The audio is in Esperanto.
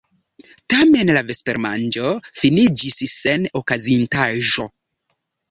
Tamen la vespermanĝo finiĝis sen okazintaĵo.